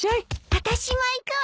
あたしも行くわ。